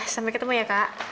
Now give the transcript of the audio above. sampai ketemu ya kak